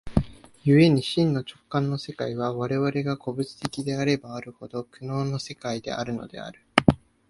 故に真の直観の世界は、我々が個物的であればあるほど、苦悩の世界であるのである。